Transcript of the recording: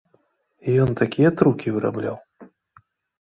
І ён такія трукі вырабляў!